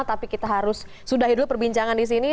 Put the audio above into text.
tapi kita harus sudahi dulu perbincangan disini